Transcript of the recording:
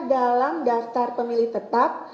dalam daftar pemilih tetap